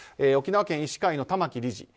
沖縄県医師会の玉城理事。